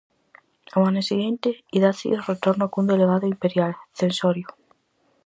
Ao ano seguinte, Idacio retorna cun delegado imperial, Censorio.